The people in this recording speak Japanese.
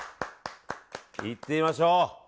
いってみましょう。